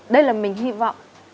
đây là mình hy vọng